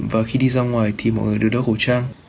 và khi đi ra ngoài thì mọi người đều đỡ khẩu trang